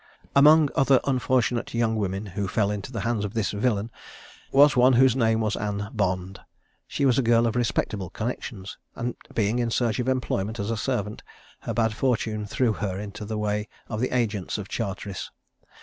Among other unfortunate young women who fell into the hands of this villain, was one whose name was Anne Bond. She was a girl of respectable connexions, and being in search of employment as a servant, her bad fortune threw her into the way of the agents of Charteris.